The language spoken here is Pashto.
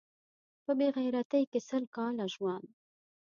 په بې غیرتۍ کې سل کاله ژوند